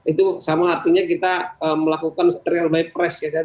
itu sama artinya kita melakukan real by press ya